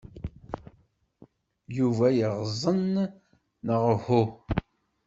Yuba yeɣẓen, neɣ uhu?